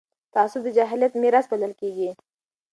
تعصب د جاهلیت میراث بلل کېږي